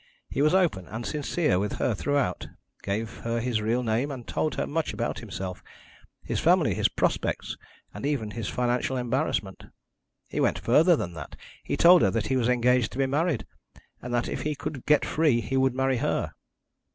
He was open and sincere with her throughout, gave her his real name, and told her much about himself: his family, his prospects, and even his financial embarrassment. He went further than that: he told her that he was engaged to be married, and that if he could get free he would marry her.